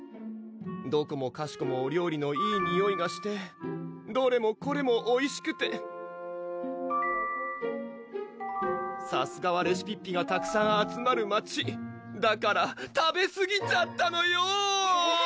どこもかしこもお料理のいいにおいがしてどれもこれもおいしくてさすがはレシピッピがたくさん集まる町だから食べすぎちゃったのよ！